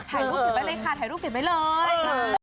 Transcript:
กินไปเลยค่ะถ่ายรูปกินไปเลย